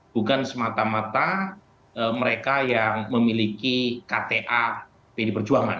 bukan semata mata mereka yang memiliki kta pd perjuangan